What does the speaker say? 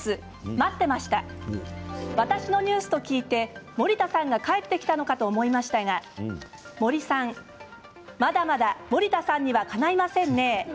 「わたしのニュース」と聞いて森田さんが帰ってきたのかと思いましたが森さん、まだまだ森田さんにはかないませんね。